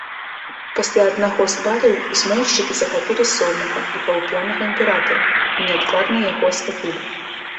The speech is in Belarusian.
Пасля аднаго з баляў змоўшчыкі захапілі соннага і паўп'янага імператара і неадкладна яго асляпілі.